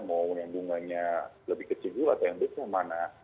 mau yang bunganya lebih kecil dulu atau yang besar mana